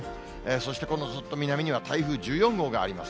そしてこのずっと南には、台風１４号があります。